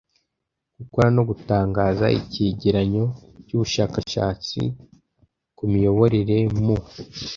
gukora no gutangaza icyegeranyo cy ubushakashatsi ku miyoborere mu